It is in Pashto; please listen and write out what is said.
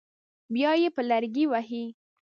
بیا یې په لرګي وهي.